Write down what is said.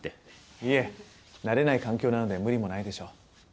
いえ慣れない環境なので無理もないでしょう。